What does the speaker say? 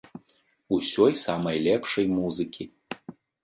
Усёй самай лепшай музыкі!